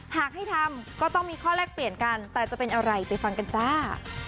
หากให้ทำก็ต้องมีข้อแลกเปลี่ยนกันแต่จะเป็นอะไรไปฟังกันจ้า